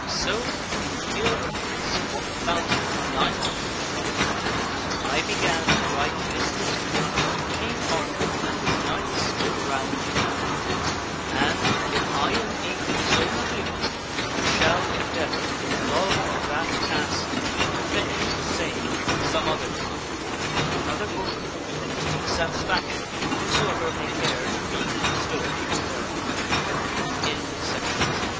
So in the year of grace one thousand nine hundred and two I began to write this history of King Arthur and his Knights of the Round Table and, if I am able so to do, I shall endeavor, with love of that task, to finish the same at some other time in another book and to the satisfaction of whosoever may care to read the story thereof. Contents